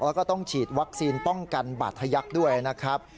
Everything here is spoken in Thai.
แล้วก็ต้องฉีดวัคซีนป้องกันบาดทะยักษ์ด้วยนะครับ